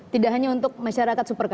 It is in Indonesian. tidak hanya untuk masyarakat super kaca